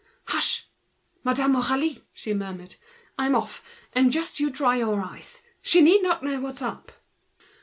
"Hush! Madame Aurélie!" she murmured. "I'm off, and just you dry your eyes. She need not know what's up."